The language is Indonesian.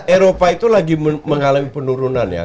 eropa itu lagi mengalami penurunan ya